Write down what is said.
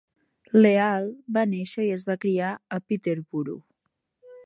Leal va néixer i es va criar a Peterborough.